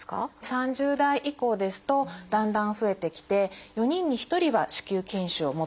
３０代以降ですとだんだん増えてきて４人に１人は子宮筋腫を持っているといわれています。